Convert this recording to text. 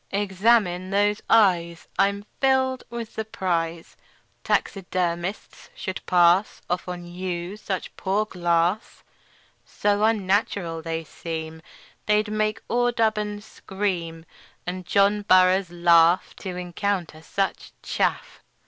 "Examine those eyes. I'm filled with surprise Taxidermists should pass Off on you such poor glass; So unnatural they seem They'd make Audubon scream, And John Burroughs laugh To encounter such chaff.